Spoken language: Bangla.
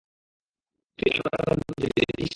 তুই আরো অনেকদূর যাবি, দেখিস!